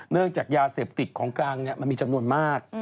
จากยาเสพติดของกลางมันมีจำนวนมาก